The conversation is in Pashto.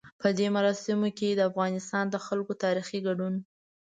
په دې مراسمو کې د افغانستان د خلکو تاريخي ګډون.